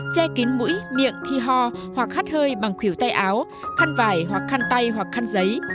che kín mũi miệng khi ho hoặc hắt hơi bằng khỉu tay áo khăn vải hoặc khăn tay hoặc khăn giấy